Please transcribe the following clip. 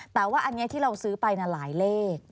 แต่ว่าอันนี้ที่เราซื้อไปหลายเลข